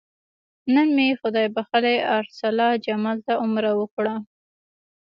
نن مې خدای بښلي ارسلا جمال ته عمره وکړه.